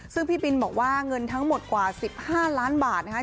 ซึ่งพี่บินบอกว่าเงินทั้งหมดกว่า๑๕ล้านบาทนะคะ